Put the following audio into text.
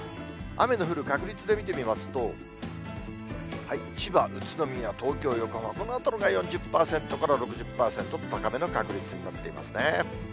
雨の降る確率で見てみますと、千葉、宇都宮、東京、横浜、この辺りが４０％から６０％と、高めの確率になっていますね。